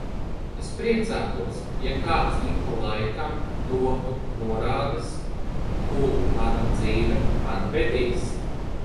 Es priecātos, ja kāds ik pa laikam dotu norādes, kur mana dzīve mani vedīs.